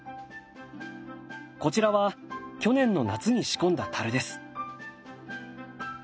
こちらは去年の夏に仕込んだです。